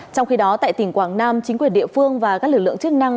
trong khi đó tại tỉnh quảng nam chính quyền địa phương và các lực lượng chức năng